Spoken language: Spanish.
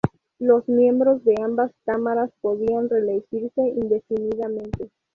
Los miembros de ambas cámaras podían reelegirse indefinidamente.